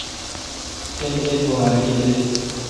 تن عید امبا۔ رکی دیت۔